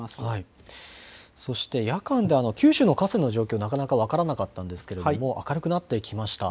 そして夜間で九州の河川の状況、なかなか分からなかったんですけれども、明るくなってきました。